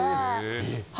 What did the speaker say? えっ？